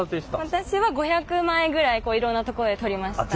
私は５００枚ぐらいいろんなとこで撮りました。